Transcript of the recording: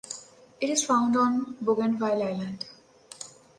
It is found on Bougainville Island.